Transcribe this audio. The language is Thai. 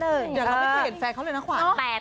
เดี๋ยวเราไม่เคยเห็นแฟนเขาเลยนะขวาน